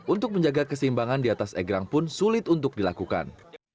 untuk menjaga keseimbangan di atas egrang pun sulit untuk dilakukan